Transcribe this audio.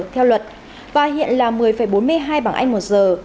theo luật và hiện là một mươi bốn mươi hai bảng anh một giờ